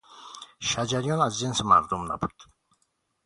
شجریان از جنس مردم نبود